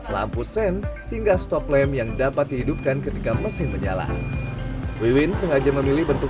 lampu sen hingga stop lamp yang dapat dihidupkan ketika mesin menyala wiwin sengaja memilih bentuk